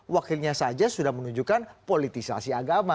wakilnya saja sudah menunjukkan politisasi agama